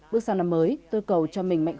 bước sang năm mới tôi cầu cho mình mạnh